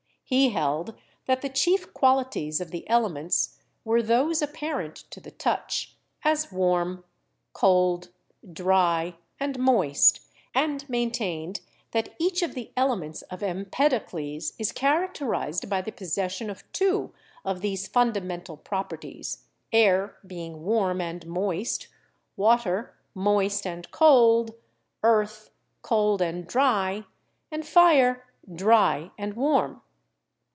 He held that the chief qualities of the elements were those apparent to the touch, as warm, cold, dry and moist, and maintained that each of the elements of Empedocles is characterized by the pos session of two of these fundamental properties, air being warm and moist, water moist and cold, earth cold and dry, and fire dry and warm.